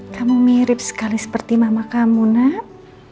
kamu mirip sekali seperti mama kamu nak